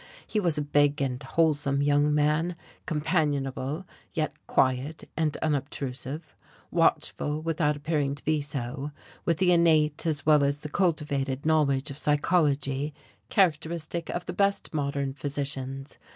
He was a big and wholesome young man, companionable, yet quiet and unobtrusive, watchful without appearing to be so, with the innate as well as the cultivated knowledge of psychology characteristic of the best modern physicians.